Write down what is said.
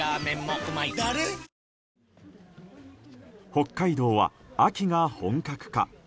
北海道は秋が本格化。